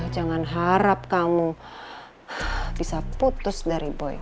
jangan harap kamu bisa putus dari boy